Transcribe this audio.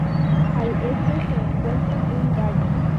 Al este se encuentra un valle.